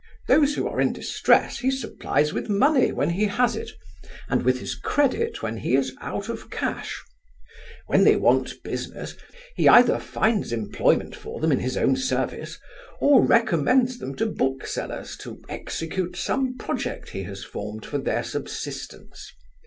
Those who are in distress he supplies with money when he has it, and with his credit when he is out of cash. When they want business, he either finds employment for them in his own service, or recommends them to booksellers to execute some project he has formed for their subsistence.